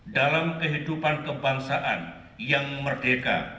dalam kehidupan kebangsaan yang merdeka